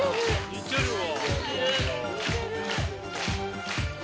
似てるわ。